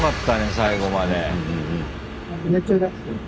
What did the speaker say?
最後まで。